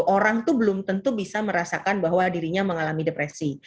orang itu belum tentu bisa merasakan bahwa dirinya mengalami depresi